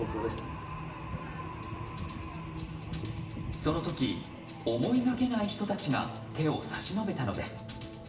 その時、思いがけない人たちが手を差し伸べたのです。